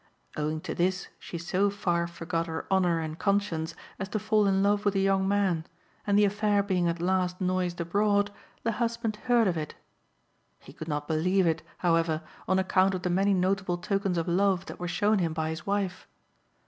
Owing to this she so far forgot her honour and conscience as to fall in love with a young man, and the affair being at last noised abroad, the husband heard of it. He could not believe it, however, on account of the many notable tokens of love that were shown him by his wife.